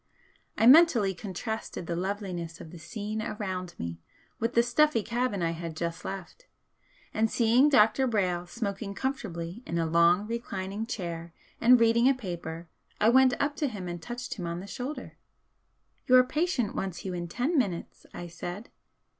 I mentally contrasted the loveliness of the scene around me with the stuffy cabin I had just left, and seeing Dr. Brayle smoking comfortably in a long reclining chair and reading a paper I went up to him and touched him on the shoulder. "Your patient wants you in ten minutes," I said.